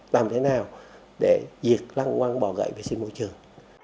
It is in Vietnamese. làm thế nào để diệt lăng quan bỏ gậy vệ sinh môi trường